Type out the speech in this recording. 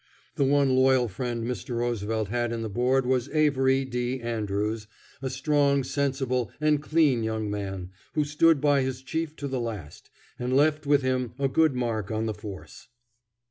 The one loyal friend Mr. Roosevelt had in the Board was Avery D. Andrews, a strong, sensible, and clean young man, who stood by his chief to the last, and left with him a good mark on the force.